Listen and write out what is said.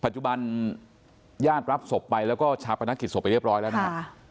ปัจจุบันย่านรับสบไปแล้วก็ชาปนักกิจสบไปเรียบร้อยแล้วนะ